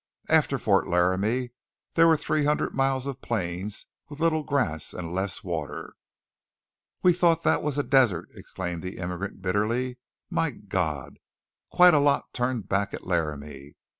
After Fort Laramie there were three hundred miles of plains, with little grass and less water. "We thought that was a desert!" exclaimed the immigrant bitterly. "My God! Quite a lot turned back at Laramie.